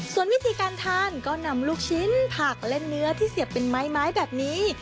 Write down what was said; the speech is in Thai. ส่วนวิธีการทานก็นำลูกชิ้นผักและเนื้อที่เสียบเป็นไม้แบบนี้